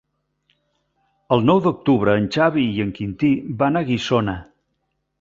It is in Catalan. El nou d'octubre en Xavi i en Quintí van a Guissona.